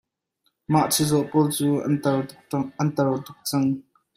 Mah chizawh pawl cu an tar tuk cang.